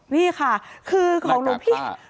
นี่ค่ะคือครับหลวงพี่นากากผ้า